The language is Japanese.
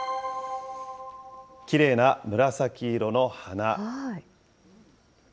きれいな紫色の花。